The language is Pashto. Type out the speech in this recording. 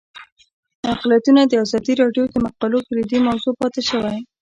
اقلیتونه د ازادي راډیو د مقالو کلیدي موضوع پاتې شوی.